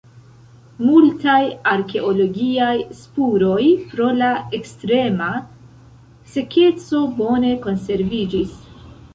Multaj arkeologiaj spuroj pro la ekstrema sekeco bone konserviĝis.